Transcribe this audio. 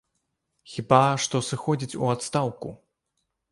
Хіба што сыходзіць у адстаўку.